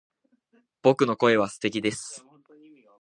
僕の声は素敵です